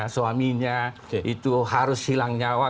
suaminya itu harus hilang nyawa